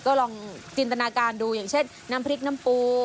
ก็ลองจินตนาการดูอย่างเช่นน้ำพริกน้ำปู